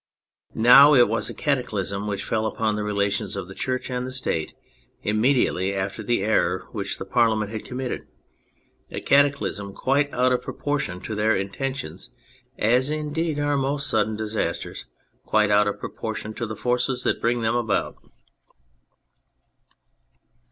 Now, it was a cataclysm which fell upon the relations of the Church and State immediately after the error which the Parliament had committed; a cataclysm quite out of propor tion to their intentions, as indeed are most sudden disasters quite out of proportion to the forces that bring them about.